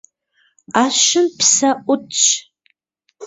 Ӏэщым псэ ӏутщ.